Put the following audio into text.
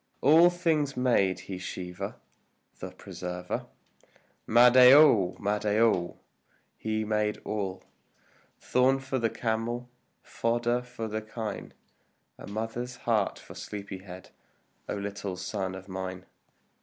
All things made he Shiva the Preserver. Mahadeo! Mahadeo! He made all, Thorn for the camel, fodder for the kine, And mother's heart for sleepy head, O little son of mine!